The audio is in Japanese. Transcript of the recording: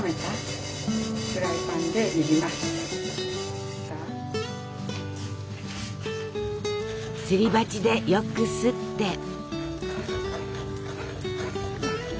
すり鉢でよくすって。